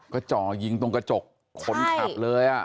ก็จ่อยิงตรงกระจกคนขับเลย